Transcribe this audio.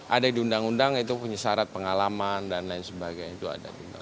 ada di undang undang itu punya syarat pengalaman dan lain sebagainya itu ada